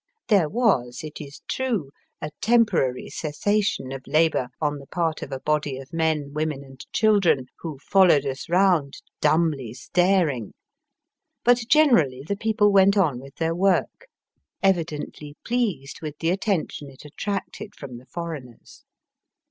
There was, it is true, a temporary cessation of labour on the part of a body of men, women, and children who followed us round dumbly staring. But generally the people went on with their work, evidently pleased with the atten Digitized by VjOOQIC ACBOSS COUNTBY IN JINMKISHAS. 239 tion it attracted from the foreigners.